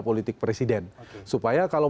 politik presiden supaya kalau